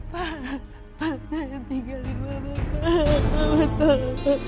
pak pak naya tinggal di rumah pak